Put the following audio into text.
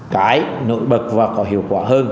cái nội bật và có hiệu quả hơn